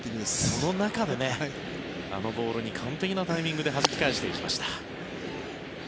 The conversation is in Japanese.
その中であのボールを完璧なタイミングではじき返していきました。